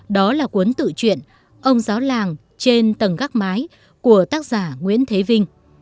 đó là cuốn tự chuyện ông giáo làng trên tầng gác mái của tác giả nguyễn thế vinh